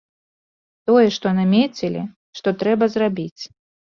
Тое, што намецілі, што трэба зрабіць.